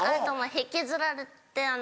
引きずられてあの。